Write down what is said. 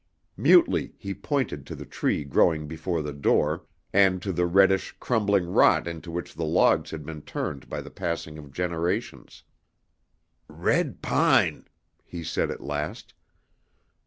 Mutely he pointed to the tree growing before the door, and to the reddish, crumbling rot into which the logs had been turned by the passing of generations. "Red pine," he said at last.